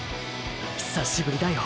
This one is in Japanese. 久しぶりだよ